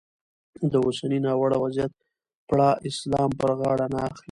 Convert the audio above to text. د اوسني ناوړه وضیعت پړه اسلام پر غاړه نه اخلي.